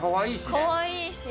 かわいいし。